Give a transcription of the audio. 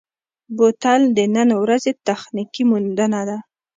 بوتل د نن ورځې تخنیکي موندنه ده.